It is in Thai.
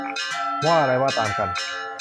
ว่าอะไรว่าตามกัน